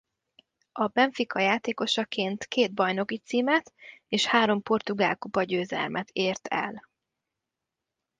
A Benfica játékosaként két bajnoki címet és három portugál kupagyőzelmet ért el.